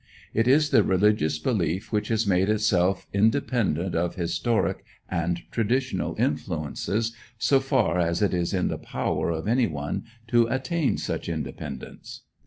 It is the religious belief which has made itself independent of historic and traditional influences, so far as it is in the power of any one to attain such independence.